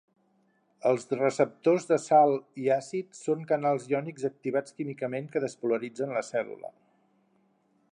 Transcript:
Els receptors de salt i àcid són canals iònics activats químicament que despolaritzen la cèl·lula.